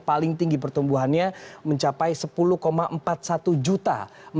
paling tinggi pertumbuhannya mencapai sepuluh empat puluh satu juta